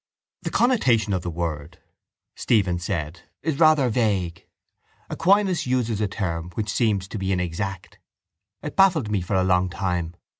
—The connotation of the word, Stephen said, is rather vague. Aquinas uses a term which seems to be inexact. It baffled me for a long time.